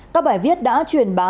các bài viết đã truyền bá